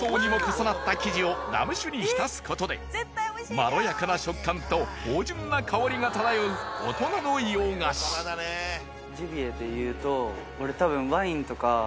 まろやかな食感と芳醇な香りが漂う大人の洋菓子ちなみになんですけど。